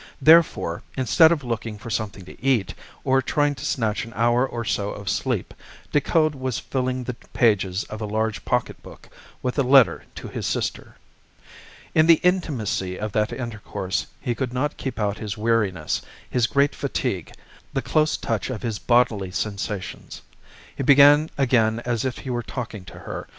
Therefore, instead of looking for something to eat, or trying to snatch an hour or so of sleep, Decoud was filling the pages of a large pocket book with a letter to his sister. In the intimacy of that intercourse he could not keep out his weariness, his great fatigue, the close touch of his bodily sensations. He began again as if he were talking to her.